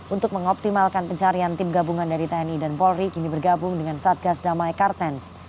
untuk mengoptimalkan pencarian tim gabungan dari tni dan polri kini bergabung dengan satgas damai kartens